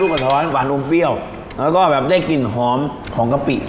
กระท้อนหวานอมเปรี้ยวแล้วก็แบบได้กลิ่นหอมของกะปิ